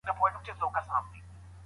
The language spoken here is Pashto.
که مشر ښه وي خلګ یې ملاتړ کوي.